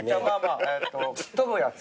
吹っ飛ぶやつ。